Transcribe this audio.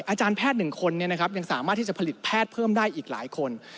อาจารย์แพทย์๑คนยังสามารถที่จะผลิตแพทย์เพิ่มได้อีกหลายคน